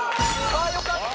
ああよかった。